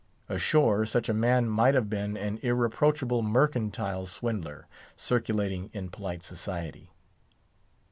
Ashore, such a man might have been an irreproachable mercantile swindler, circulating in polite society.